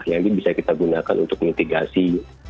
yang ini bisa kita gunakan untuk mitigasi